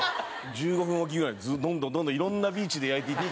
１５分おきぐらいにどんどんどんどんいろんなビーチで焼いていって。